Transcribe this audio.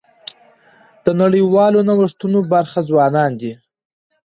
د نړیوالو نوښتونو برخه ځوانان دي.